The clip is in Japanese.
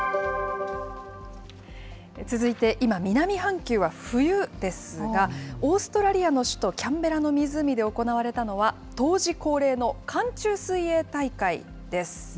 続いて、今、南半球は冬ですが、オーストラリアの首都キャンベラの湖で行われたのは、冬至恒例の寒中水泳大会です。